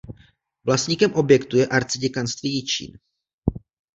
Vlastníkem objektu je arciděkanství Jičín.